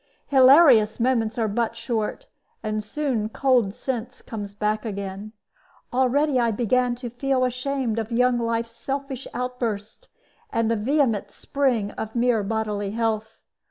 Hilarious moments are but short, and soon cold sense comes back again. Already I began to feel ashamed of young life's selfish outburst, and the vehement spring of mere bodily health.